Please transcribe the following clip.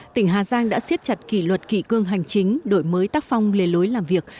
tỉnh hà giang đã siết chặt kỷ luật kỷ cương hành chính đổi mới tác phong lề lối làm việc